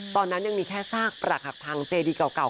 ตอนนั้นยังมีแค่ซากปรักหักพังเจดีเก่า